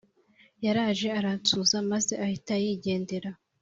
Yaraje aransuhuza maze ahita yigendera